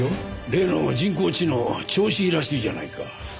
例の人工知能調子いいらしいじゃないか。